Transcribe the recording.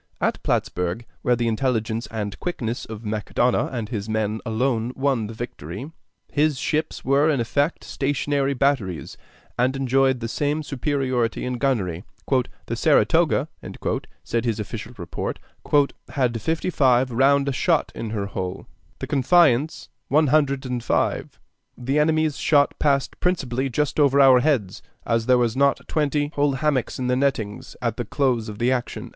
At Plattsburg, where the intelligence and quickness of Macdonough and his men alone won the victory, his ships were in effect stationary batteries, and enjoyed the same superiority in gunnery. "The Saratoga," said his official report, "had fifty five round shot in her hull; the Confiance, one hundred and five. The enemy's shot passed principally just over our heads, as there were not twenty whole hammocks in the nettings at the close of the action."